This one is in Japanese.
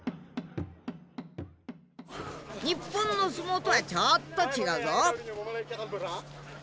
日本の相撲とはちょっと違うぞ。